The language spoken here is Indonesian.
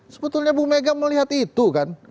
sebetulnya bu mega melihat itu kan